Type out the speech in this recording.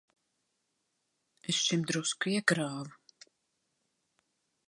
Es šim drusku iekrāvu.